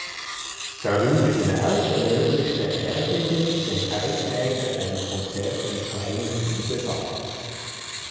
Darüber hinaus ermöglicht der rbb dem Preisträger ein Konzert im kleinen Sendesaal.